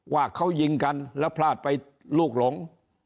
ว่าเขายิงกันแล้วพลาดไปลูกหลง